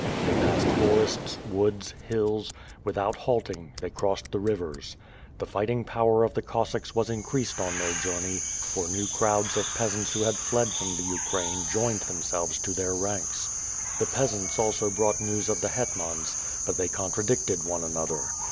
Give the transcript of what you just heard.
They passed forests, woods, hills; without halting, they crossed the rivers. The fighting power of the Cossacks was increased on their journey, for new crowds of peasants who had fled from the Ukraine joined themselves to their ranks. The peasants also brought news of the hetmans, but they contradicted one another.